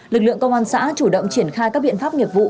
lực lượng công an xã chủ động triển khai các biện pháp nghiệp vụ